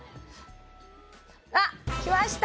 あっ来ました。